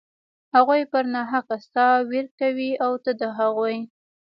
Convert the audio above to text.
هغوى پر ناحقه ستا وير کوي او ته د هغوى.